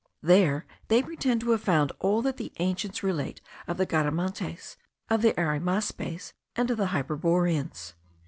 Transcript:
There they pretend to have found all that the ancients relate of the Garamantes, of the Arimaspes, and of the Hyperboreans.